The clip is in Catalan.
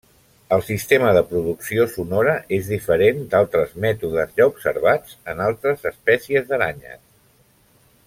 El sistema de producció sonora és diferent d'altres mètodes ja observats en altres espècies d'aranyes.